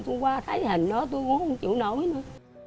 cũng qua thấy hình đó tôi cũng không chịu nổi nữa